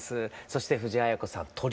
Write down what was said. そして藤あや子さん「鳥」